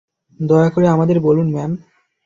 দয়া করে আমাদের বলুন, ম্যাম।